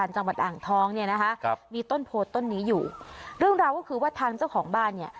จังหวัดอ่างทองเนี่ยนะคะครับมีต้นโพต้นนี้อยู่เรื่องราวก็คือว่าทางเจ้าของบ้านเนี่ย